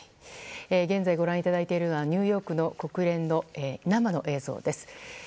現在ご覧いただいているのはニューヨークの国連の生の映像です。